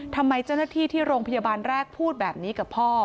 ทำไมเจ้าหน้าที่ที่โรงพยาบาลแรกพูดแบบนี้กับพ่อ